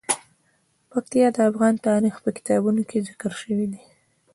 پکتیا د افغان تاریخ په کتابونو کې ذکر شوی دي.